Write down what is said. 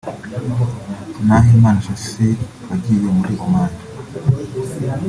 Nahimana Shassir wagiye muri Oman